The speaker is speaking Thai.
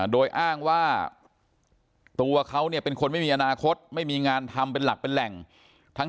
โดยอ้างว่าตัวเขาเนี่ยเป็นคนไม่มีอนาคตไม่มีงานทำเป็นหลักเป็นแหล่งทั้ง